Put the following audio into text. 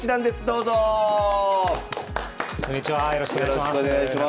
よろしくお願いします。